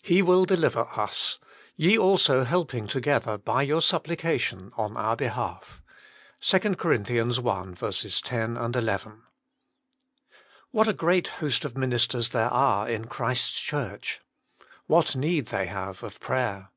"He will deliver us; ye also helping together by your suppli cation on our behalf." 2 COR. i. 10, 11. What a great host of ministers there are in Christ s Church. What need they have of prayer.